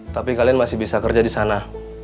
tapi kalian masih bisa kerja disana